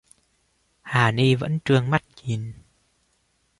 hà ni vẫn trương mắt nhìn